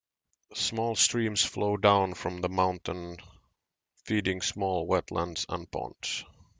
Small streams flow down from the mountains feeding small wetlands and ponds.